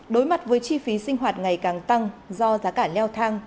đối mặt với chi phí sinh hoạt ngày càng tăng do giá cả leo thang